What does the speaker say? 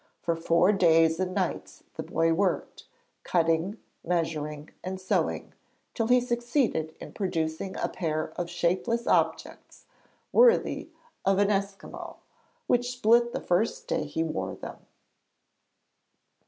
For four days and nights the boy worked, cutting, measuring and sewing, till he succeeded in producing a pair of shapeless objects, worthy of an Esquimaux, which split the first day he wore them.